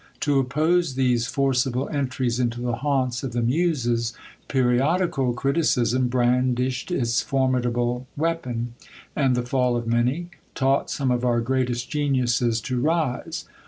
To oppose these forcible entries into the haunts of the Muses, periodical criticism brandished its formidable weapon; and the fall of many, taught some of our greatest geniuses to rise.